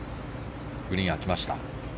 グリーンが空きました。